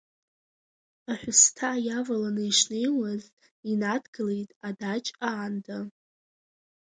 Аҳәысҭа иаваланы ишнеиуаз, инадгылеит адаҷ аанда.